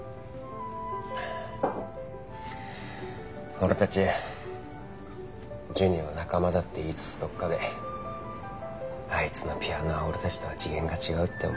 俺たちジュニを仲間だって言いつつどっかであいつのピアノは俺たちとは次元が違うって思ってた。